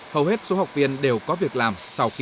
hầu hết số học viên đều có việc làm